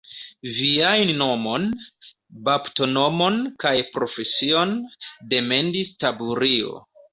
Viajn nomon, baptonomon kaj profesion, demandis Taburio.